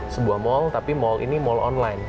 sebuah mall tapi mal ini mall online